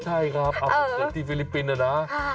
ใช่ครับอ่ะแต่ที่ฟิลิปปินส์อ่ะนะ